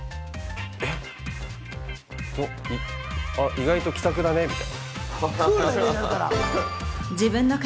意外と気さくだねみたいな。